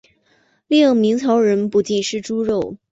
另明朝人不禁吃猪肉。